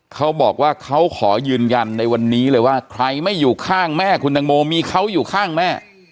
เขาบอกว่าเขาขอยืนยันในวันนี้เลยว่าใครไม่อยู่ข้างแม่คุณตังโมมีเขาอยู่ข้างแม่